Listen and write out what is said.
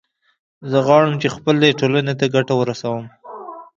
زه غواړم چې خپلې ټولنې ته ګټه ورسوم